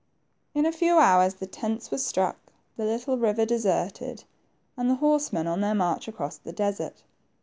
" In a few hours the tents were struck, the little river deserted, and the horsemen on their march across the desert.